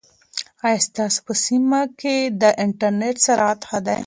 ایا ستا په سیمه کې د انټرنیټ سرعت ښه دی؟